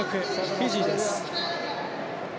フィジーです。